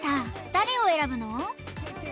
誰を選ぶの？